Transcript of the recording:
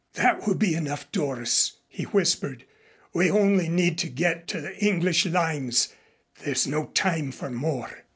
"That will be enough, Doris," he whispered. "We only need to get to the English lines. There's no time for more."